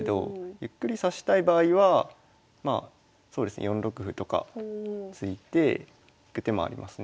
ゆっくり指したい場合はそうですね４六歩とか突いていく手もありますね。